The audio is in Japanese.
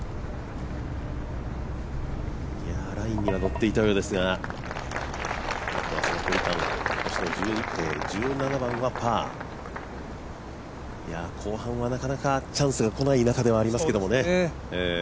ラインにはのっていたようですがあとはその距離感、１７番はパー、後半はなかなかチャンスが来ない中ではありますが。